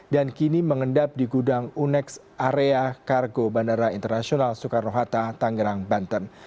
dan kini mengendap di gudang unex area kargo bandara internasional soekarno hatta tanggerang banten